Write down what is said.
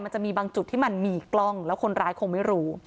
มันจะมีบางจุดที่มันมีกล้องแล้วคนร้ายคงไม่รู้